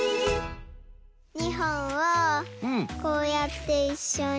２ほんをこうやっていっしょに。